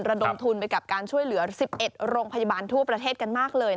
ระดมทุนไปกับการช่วยเหลือ๑๑โรงพยาบาลทั่วประเทศกันมากเลย